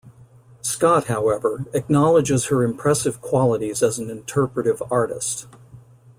Scott, however, acknowledges her impressive qualities as an interpretive artist.